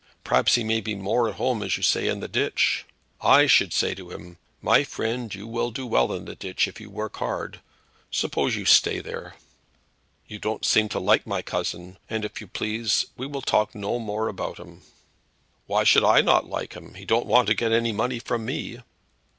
Perhaps he may be more at home, as you say, in the ditch. I should say to him, 'My friend, you will do well in de ditch if you work hard; suppose you stay there.'" "You don't seem to like my cousin, and if you please, we will talk no more about him." "Why should I not like him? He don't want to get any money from me."